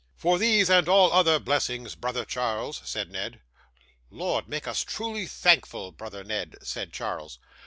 'For these and all other blessings, brother Charles,' said Ned. 'Lord, make us truly thankful, brother Ned,' said Charles.